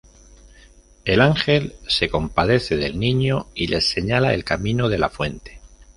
El ángel se compadece del niño y les señala el camino de la fuente.